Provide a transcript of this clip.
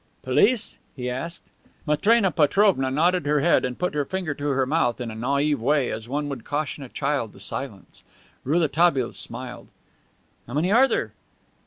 "Police?" he asked. Matrena Petrovna nodded her head and put her finger to her mouth in a naive way, as one would caution a child to silence. Rouletabille smiled. "How many are there?"